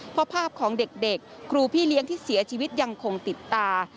เพราะภาพของเด็กครูพี่เลี้ยงที่เสียชีวิตยังคงติดตา